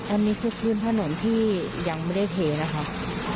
อันนี้คือพื้นถนนที่ยังไม่ได้เทนะคะ